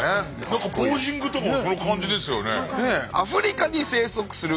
なんかポージングとかもその感じですよね。